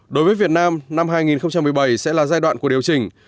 đối với việt nam năm hai nghìn một mươi bảy sẽ là giai đoạn của điều chỉnh